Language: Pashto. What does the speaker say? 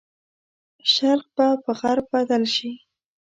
شرق به په غرب بدل شي.